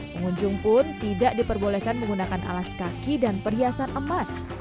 pengunjung pun tidak diperbolehkan menggunakan alas kaki dan perhiasan emas